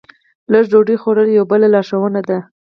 لږه ډوډۍ خوړل یوه بله لارښوونه ده.